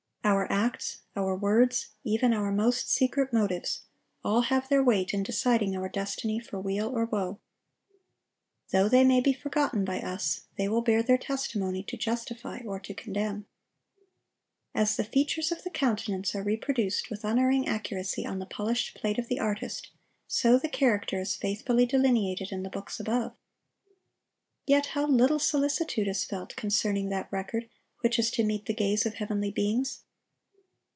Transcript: Our acts, our words, even our most secret motives, all have their weight in deciding our destiny for weal or woe. Though they may be forgotten by us, they will bear their testimony to justify or to condemn. As the features of the countenance are reproduced with unerring accuracy on the polished plate of the artist, so the character is faithfully delineated in the books above. Yet how little solicitude is felt concerning that record which is to meet the gaze of heavenly beings.